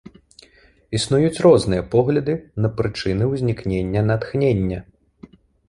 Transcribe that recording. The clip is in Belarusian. Існуюць розныя погляды на прычыны ўзнікнення натхнення.